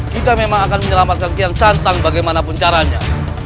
kita memang akan menyelamatkan kian santang bagaimanapun caranya